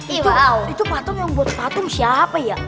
itu patung yang buat patung siapa ya